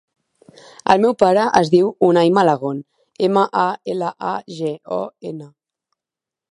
El meu pare es diu Unay Malagon: ema, a, ela, a, ge, o, ena.